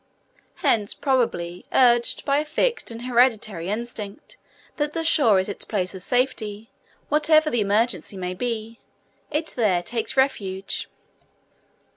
Hence, probably, urged by a fixed and hereditary instinct that the shore is its place of safety, whatever the emergency may be, it there takes refuge.